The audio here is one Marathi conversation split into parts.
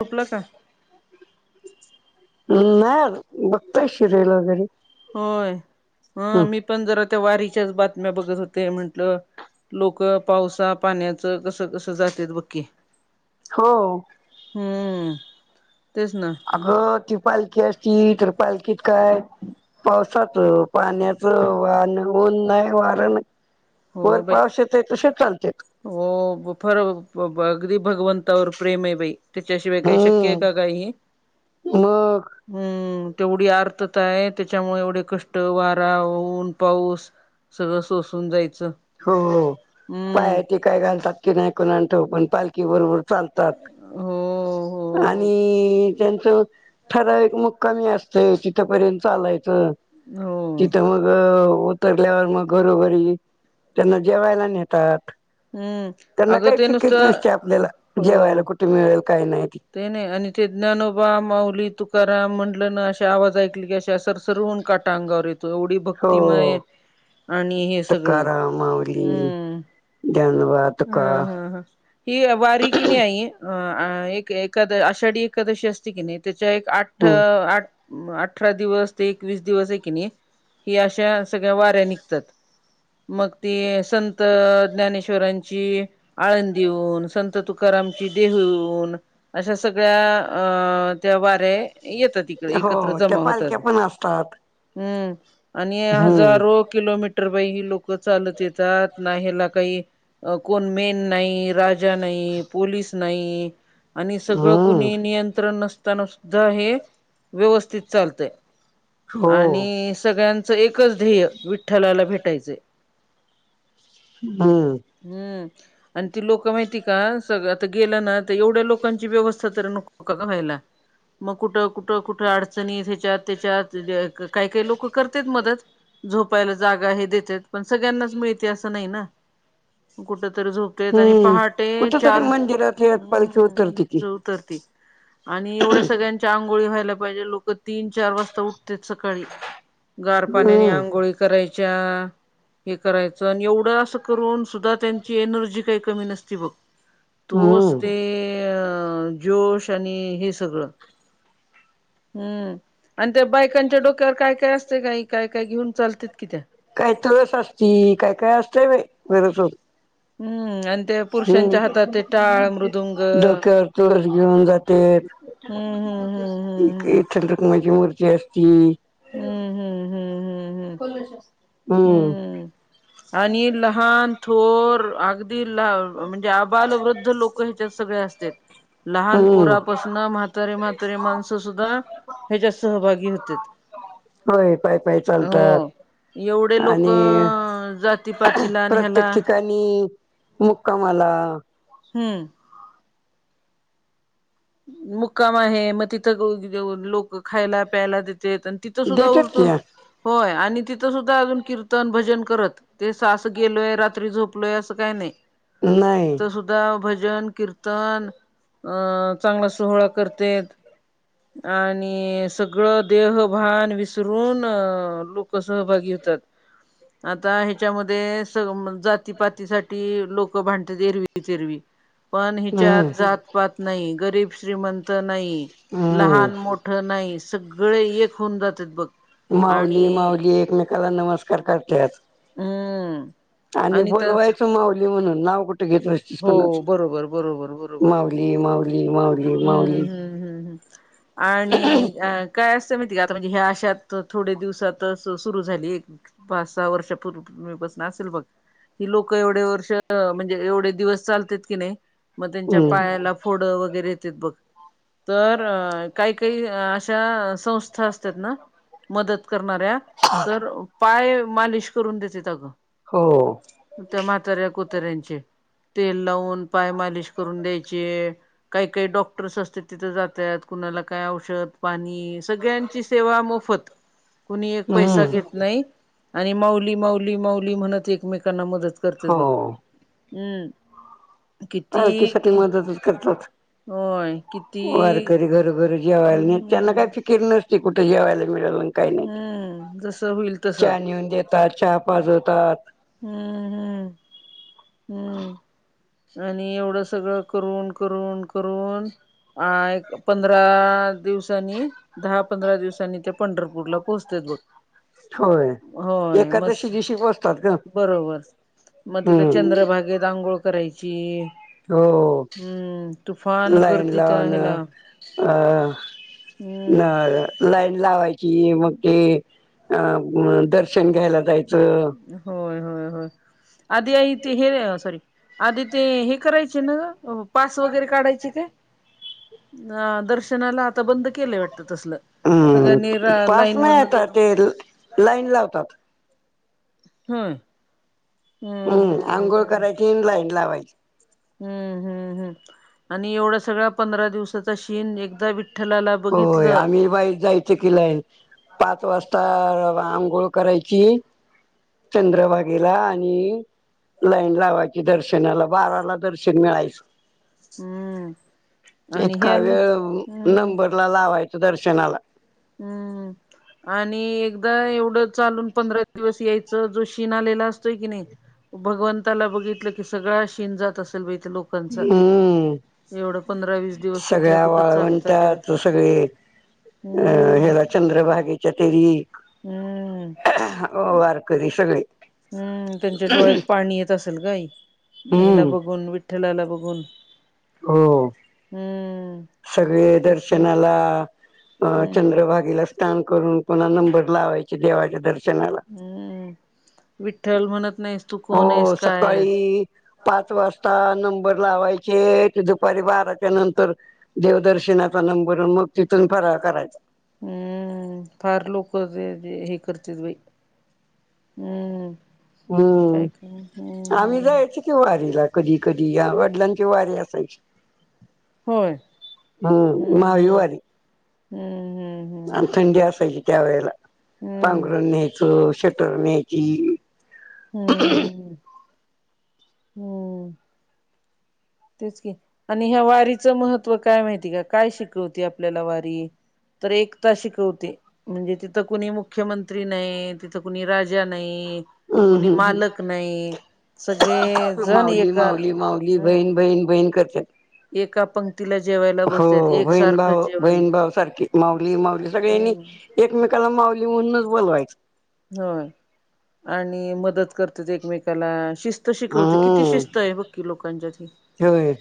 चूकलं कां नांय बघतांय शिरयलं वगैरें. होयं हां मी पणं जरां त्यां वारीच्या चं बातम्यां बघतं होते म्हंटलं लोकं पावसां पाण्याचं कसं कसं जातेत बंग की. हो हम्मं तेचं नां. अगं ती पालखी असती तरं पालखीतं कायं पावसाचं पाण्याचं वांण ऊंन नाहीं वारं हो नाहीं वरं बाई पाऊसाचे येतोय तसे चालत्यांत. हो फांर बरं अगदीं भगवंतावर प्रेम आहे बाई. त्यां च्यांशिवाय कांहीं शक्यं आहे कां हम्म कांहीं हे मग हम्मं तेवढी आर्तता आहे त्यांच्यामुळे एवढे कंष्ट वारां ऊंन पाऊसं सगळं सोसूंन जायचं. हो हम्म पायातही कायं घालतांत की नाहीं कोणांला ठाऊक पणं पालखी बरोबर चालतांत हो हो तांत हो आणि त्यांचं ठराविक मुक्कांमही असतंय तिथंपर्यंत चालायचं. हो तिथं मंग उतरल्यांवर मंग घरोघरी त्यांनां जेवायंला नेतांत हम्म त्यांनां अगं कांहीं ते चिकीत नसते नुसतं आपल्यांला जेवायंला हो कुं कुठं मिळेल कांहीं नाहीं ती ते नाहीं आणि ते ज्ञानोबा माऊली तुकारांम म्हंटलं नां अशे आवांज ऐकले की असं सरसरुन कां कांटा अंगावर येतो एवढी हो भक्तीमंय आणि हे सगळं तुकाराम माऊली हम्मं. ज्ञानोबा तुकां ही वारी कि नाहीं आई अं अं एक एकां आषाढी एकादशी असती की नाहीं त्यांच्या एक आठ हम्म ठं आठ अठरा दिवस ते एकवीस दिवसं आहे की नाहीं ही अश्या सगळ्यां वाऱ्यान निघतांत. मंग ते संत ज्ञानेश्वरांची आळंदीहुन संत तुकारामांची देहुहुन अश्या सगळ्यां अं त्यां वाऱ्यां येतांत इकडं हो एकत्रं त्या जमां होतांत पालख्या पण असतात हम्मं आणि हम्म हजारो किलोमीटर रं ही लोकं चालतं येतांत नां हेलां कांहीं कोणं बीण नाहीं राजा नाहीं पोलीस नाहीं आणि सगळं हम्म कुणी नियंत्रण नसतांना सु ध्दां हे व्यवस्थित चालतंय हो आणि हे सगळ्यांचं एकचं ध्येयं विठ्ठलांला भेटायचंय. हम्मं. हम्म आणि ती लोक माहिती का सगळ आता गेलं ना त एवढे लो कांची व्यवस्था तर नको का गं व्हायला? मग कुठं कुठं कुठं आडचणीत हेच्यात तेच्यात काही काही लोक करतेत मदत झोपायला जागा हे देत्यात पण सगळ्यांनाच मिळते असं नाही ना कुठ तर झोप तेत आणि हम्म पहाटे कुठ तरी चार मंदिरात यात पालखी हम्म उतरते की उतरती आणि एवढ सगळ्यांच्या आंघोळी व्हायला पहिले लोक तीन चार वाजता उठते सकाळी गार पाण्यानी हम्म आंघोळी करायच्या, हे करायचं आणि एवढं आसं करून सुद्धा त्यांची एनर्जी काही कमी नसती बघ. तोच हम्म ते जोश आणि हे सगळं. हम्म. आण त्या बायकांच्या डोक्यावर काय काय असतय काही काय काय घेऊन चालतीत की त्या? काय तूळस असती, काय काय असतंय बाई [unintelligible] हम्म आण हम् डोक्यावर तुळस घेऊन जातेत. हम्म हम्म एक हम्म एक [unintelligible] मूर्ती असती. हुं, हुं, हू, हम्म आणि लहान थोर आगदी ला म्हणजे आबाल, वृद्ध लोक ह्याच्यात सगळे असतेत. लहान हम्म पोरापासन म्हातारे म्हातारी माणसं सुद्धा हेच्यात सहभागी होतेत. होय पाय पायी हो चालतात. एवढे लोक आणि जातीपातीला आणि हेला आणि मुक्कामाला हम्म मुक्काम आहे म तिथं [unintelligible] देऊन लोक खायला प्यायला देतेत आण तिथं सुद्धा देतात की उलतून होय आणि तिथं सुद्धा आजून कीर्तन, भजन करत. ते सासं गेलोय रात्री झोपलोय असं काय नाही नाही तिथं सुद्धा भजन, कीर्तन अ चांगला सोहळा करतेत. आणि सगळं देहभान विसरून अ लोक सहभागी होतात. आता हेच्यामध्ये स जातीपातीसाठी लोक भांडत्यात एरवी तेरवी. [inaudible] पण हिच्यात हम्म जात-पात नाही, गरीब-श्रीमंत नाही, लहान हम्म मोठं नाही सगळे एक होऊन जातात बघ. माऊली आणि माऊली एकामेकाला नमस्कार करत्यात. हम्म. आणि बोलवायच माऊली म्हणून नाव कुठ घेत बस तीस हो कोणाच बरोबर बरोबर बरोबर माऊली, माऊली, माऊली, हम्म माऊली. हम्म हम्म हम्म. आणि आ काय असतं माहिती आहे का आता म्हणजे हे आश्यात थोडे दिवसात तसं सुरु झाली एक पाच सहा वर्षा पू पूर्वीपासन आसेल बघ ही लोक एवढे वर्ष म्हणजे एवढे दिवस चालतेत की नाही म तेच्या हम्म पायाला फोड वगैरे येतेत बघ, तर काही काही आशा संस्था असतात ना मदत करणाऱ्या, तर पाय मालिश करून देतेत आगं. हो, त्या, म्हाताऱ्या कुतुर्याचे तेल लावून पाय मालिश करून द्यायचे, काही, काही डॉक्टर्स असतात. तिथे जातात कुणाला काय औषध पाणी सगळ्यांची सेवा मोफत, कुणी एक पैसा हम्म घेत नाही, आणि माऊली, माऊली, माऊली म्हणत एकमेकांना मदत करते. बघ हो हम्, पालखी साठी मदतच करतात. होय किती वारकरी घरोघरी जेवायला नाही त्यांना, हम्म काय फिकिर नसते. कुठे जेवायला मिळवने हम्म, जस होईल तस. त्या चहा पाजवतात, हम्, हम्म, आणि एवढं सगळं करून, करून, करून, अ, एक पंधरा दिवसांनी दहा, पंधरा, दिवसांनी ते पंढरपूरला पोहोचते बघ. होय. होय, एकादशी मस्त, दिवशी पोचतात ग. बरोबर, मग, तिथं हम्म. चंद्रभागेत आांघोळ करायची. हो, हम्म तुफान लाईन गर्दी त्या लावून ह्याला अ, [unintelligible] हम्म लाईन लावायची, मग ते अ दर्शन घ्यायला जायचं. होय, होय, होय, आधी आ ते हे र सॉरी, आधी, ते हे करायचे ना, पास वगैरे काढायचे काय? दर्शनाला, आता बंद केलंय वाटत तसल, हम्म. सगळ्यांनी रा पास लाईन नाही आता [inaudible] ते लाईन लावतात. होय, हम्म, हम्म, हम् तीन, लाईन लावायची. हम्म, हम्म, हम्म, आणि एवढा सगळा्या पंधरा दिवसाचा शीन एकदा विठ्ठला ला होय, आम्ही बाई जायच कीलाईन. पाच, वाजता आंघोळ करायची. चंद्रभगेला, आणि लाईन लावायांची, दर्शनाला बाराला दर्शन मिळायचं. हम्म आणि हे इतका, आलं वेळ हम्म नंबरला लावायचं दर्शनाला, हम्म, आणि एकदा एवढ चालून, पंधरा दिवस यायचं. शन, आलेला असतोय की नाही, भगवंताला बघितलं की, सगळ शिन जात असेल ब लोक, लोकांचा, हम्म एवढं पंधरा वीस दिवस, कुठल्या, सगळ्या कुठच चालूत जात्याच. वाळवंटात सगळे, अ ह्याला चंद्रभागेच्या तेरी, हम्म, हो, वारकरी सगळे, हम्म, त्यांच्या डोळ्यात पाणी येत असेल, ग आई, ह्याला हम्म बघून विठ ठलाला बघून हो हम्म, सगळे, तेच की दर्शनाला अ हम्म चंद्रभागेला, साथन, करून पुन्हा नंबर, लावायचे देवाच्या दर्शनाला, हम्म, विठ्ठल म्हणत नाहीस, तू कोण आहेस हो, काय सकाळी, आहेस पाच, वाजता नंबर लावायचे, ते दुपारी बाराच्या नंतर, देवदर्शनाचा, नंबर मग तिथून, फरा करायचा हम्म फार लोक हे करते बाई. हम्म. काय का हम्म आम्ही हम्म जायची. वारीला कधी कधी या वडिलांचे वारे असायची. होय हम् हम्म हम्म माविवारी. हम्म हम्म हम्. आणि थंडी असायची त्या वेळेला हम्म पांघरण न्यायचं शटर न्यायची. ह ह ह, हम्म. तेच की आणि ह्या वारीचं महत्त्व काय माहिती का काय शिकवते आपल्याला वारी. तर एकता शिकवते. म्हणजे तिथं कुणी मुख्यमंत्री नाही तिथं कुणी राजा नाही. हम्म कोणी मालक नाही सगळे. जण माऊली एका माऊली माऊली हम्म बहीण बहीण बहीण करतात. एका पंक्तीला जेवायला बसतात हो बहीण एकसारखं भाऊ जेवण बहीण भाऊ सारखी माऊली माऊली सगळ्यांनी. हम्म एकमेकाला माऊली म्हणूनच बोलवायचं. होय आणि मदत करतात एकमेकाला शिस्त. त हा शिकवते किती शिस्त आहे बक्की लोकांच्यात नी. होय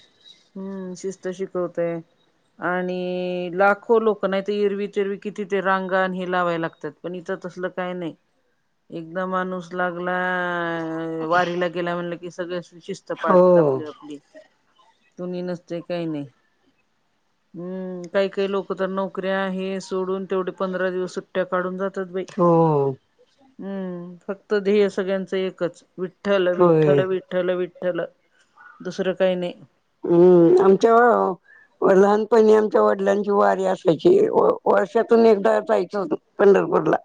हम्म शिस्त शिकवते. आणि लाखो लोक नाही तर एरवी तेरवी किती ते रांगाण हे लावायला लागतात. पण इथं तसलं काय नाही. एकदा माणूस लागला अ वारीला गेला म्हणलं कि सगळ शिस्त. हो पाळते आपली आपली तुणी नसते काही नाही. ह. [inaudible] हम्म काही काही लोक तर नोकऱ्या आहे सोडून तेवढे पंधरा दिवस सुट्ट्या काढून जातात बाई. हो, हम्म फक्त ध्येय सगळ्यांचं एकच विठ्ठल होय विठ्ठल वि''--'' ठ्ठल विठ्ठल दुसरं काही नाही. हम्म आमच्या. व लहानपणी आमच्या वडिलांची वारी असायची वर्षा वर्षातून एकदा जायचं होतं. पंढरपूरला.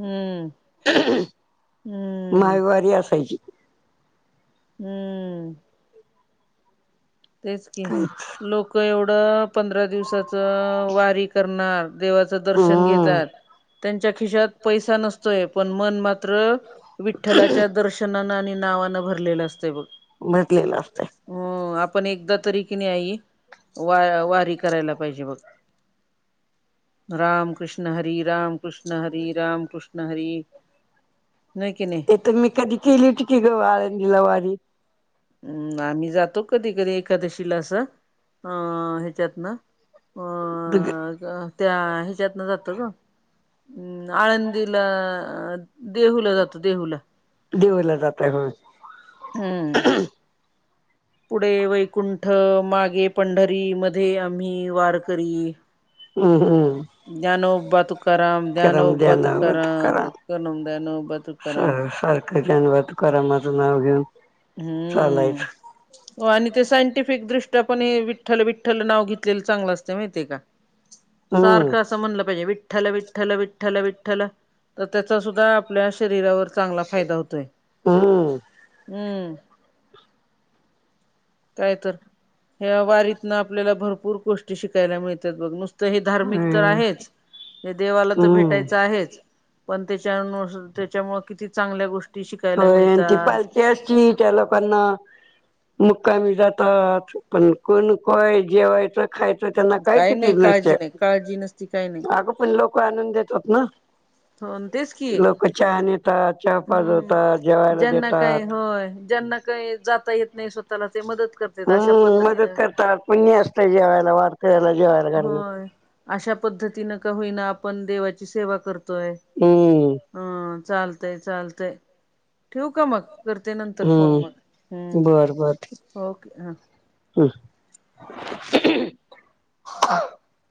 हम्म. हम्म मागवारी असायची. हम्म. तेच की लोक एवढं पंधरा दिवसाच वारी करणार देवाच. च दर्शन हम्म घेतात त्यांच्या खिशात पैसा नसतोय पण मन मात्र. मात्र विठ्ठलाच्या दर्शनानं आणि नावानं भरलेलं असते बघ. भरलेलं असतय. हो आप''--'' पण एकदा तरी की नाही आई वा वारी करायला पाहिजे बघ. राम कृष्ण हरी राम कृष्ण हरी राम कृष्ण हरी. नाहीु क नाही. तूमी कधी केलीवती ग आळंदीला वारी. हम्म आम्ही जातो कधी कधी एखादशीला अस. अ ह्याच्यात ना अ. बु. [unintelligible] मग त्या ह्याच्यातन, जातात ना ग आळंदीला. अ देहूला जातो देहूला. देऊला जाताय हो. हा आ. ह. [inaudible] पुढे वैकुंठ, मागे पंढरी, मध्ये आम्ही वारकरी हू हू. ज्ञानोबा तूकाराम, ज्ञानोबा तुकाराम, [unintelligible] ज्ञानोबा तुकाराम. क जानबा तुकारामाचं नाव घेऊन. हुं हुं. चालायचं हो आणि ते सायंटिफिक दृष्ट्या पण हे, विठ्ठल विठ्ठल नाव घेतलेलं चांगलं असतय, माहितीए का? ह. [inaudible] सारखच. तसं म्हणलं पाहिजे, विठ्ठल विठ्ठल विठ्ठल विठ्ठल तर त्याचा सुद्धा आपल्या शरीरावर चांगला फायदा होतोय. हा आ. हूम काय तर? ह्या वारीतन आपल्याला भरपूर गोष्टी शिकायला मिळतात बघ. नुसतं हे धार्मिक तर हम्म आहेच. देवाला तर हम्म भेटायचं आहेच, पण त्याच्यानु अन् त्याच्यामुळे किती चांगल्या गोष्टी शिकायला होय आणि ती मिळतात पालखी असती त्या लोकांना मुक्कामी जातात, पण कोणकाय जेवायचं? खायच, त्यांना काय काही फिकीर नाही काळजी नस्तिया नाही काळजी नसती काही नाही आग पण लोक आणून देतातना, हो तेच की लोक चहा न्हेतात, चहा पावडर हम्म ज्यांना काय होय, ज्यांना काय जाता येत नाही स्वता त्याला ते मदत करत्यात, अशा हम्म पद्धतीन मदत करतात पुण्य असतंय जेवायला, वारकऱ्याला जेवायला घालणं. होय, अशा पद्धतीनं का होईना? आपण देवाची सेवा करतोय. तू हं चालतंय चालतंय, ठेऊ का मग? करते नंतर फोन मग, हम्म हम्म ओके हा. उम्. [inaudible]